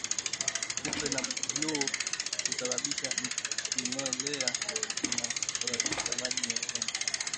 Kupe wa bluu husambaza kimelea kinachosababisha maji mekundu